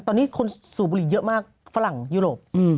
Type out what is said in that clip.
ตอนนี้คนสูบบุหรี่เยอะมากฝรั่งยุโรป